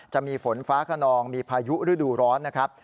จะมีฝนฟ้าขนองมีพายุฤดูร้อนนะครับ